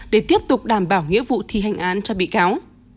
để tiếp tục đảm bảo nghĩa vụ thi hành án cho bị cáo